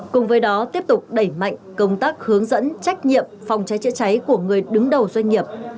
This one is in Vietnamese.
cùng với đó tiếp tục đẩy mạnh công tác hướng dẫn trách nhiệm phòng cháy chữa cháy của người đứng đầu doanh nghiệp